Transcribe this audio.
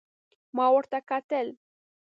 ما ورته کتل ،